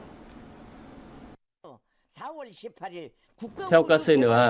theo kcna ông kim jong un cũng ra lệnh triển khai một loạt vệ tinh giao thám quân sự đầu tiên theo kế hoạch